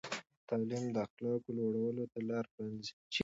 تعلیم د اخلاقو لوړولو ته لار پرانیزي.